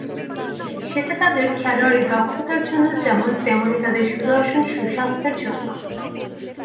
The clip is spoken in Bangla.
সেটা তাঁদের খেলোয়াড়ি দক্ষতার জন্য যেমন, তেমনি তাঁদের সুদর্শন সুস্বাস্থ্যের জন্যও।